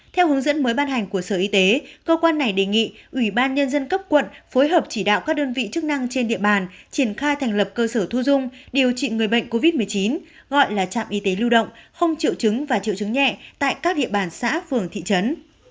theo hướng dẫn mới ban hành của sở y tế cơ quan này đề nghị ủy ban nhân dân cấp quận phối hợp chỉ đạo các đơn vị chức năng trên địa bàn triển khai thành lập cơ sở thu dung điều trị người bệnh covid một mươi chín gọi là trạm y tế lưu động không triệu chứng và triệu chứng nhẹ tại các địa bàn xã phường thị trấn